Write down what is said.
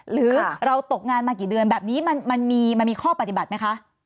หรือเราตกงานมากี่เดือนแบบนี้มันมีข้อปฏิบัติไหมคะ